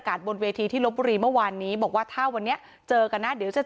บางสิ่งบางอย่างของคณะเก้าไกรก็เห็นดีด้วย